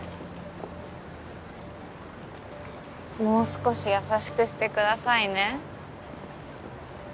もう少し優しくしてくださいね。